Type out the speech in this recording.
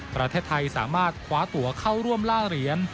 ประเทศไทยสามารถคว้าตัวเข้าร่วมล่าเหรียญ